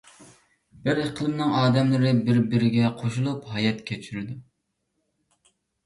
بىر ئىقلىمنىڭ ئادەملىرى بىر - بىرىگە قوشۇلۇپ ھايات كەچۈرىدۇ.